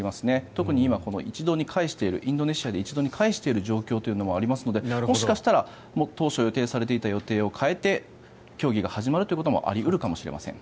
特に今、インドネシアで一堂に会している状況もありますのでもしかしたら当初予定されていた予定を変えて協議が始まるということもあり得るかもしれません。